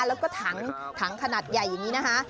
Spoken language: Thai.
แล้วก็ถังขนาดใหญ่อย่างนี้นะคะ